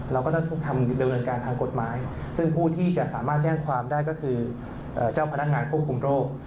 เราก็ต้องทำดำเนินการทางกฎหมายซึ่งผู้ที่จะสามารถแจ้งความได้ก็คือเจ้าพนักงานควบคุมโรค